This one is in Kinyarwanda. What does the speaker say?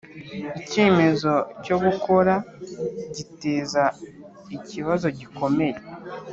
icyemezo cyo gukora giteza ikibazo gikomeye